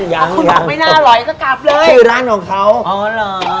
ยังคุณบอกไม่น่าอร่อยก็กลับเลยอยู่ร้านของเขาอ๋อเหรอ